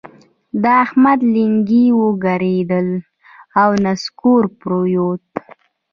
د احمد لېنګي وګړبېدل او نسکور پرېوت.